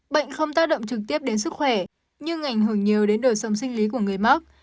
bệnh không tác động trực tiếp đến sức khỏe nhưng ảnh hưởng nhiều đến đời sống sinh lý của người mắc